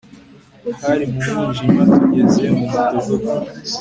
Hari mu mwijima tugeze mu mudugudu